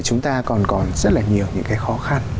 chúng ta còn còn rất là nhiều những cái khó khăn